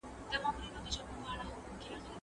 دا زده کړه په کتابونو کې نه موندل کېږي.